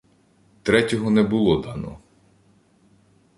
Третього не було дано.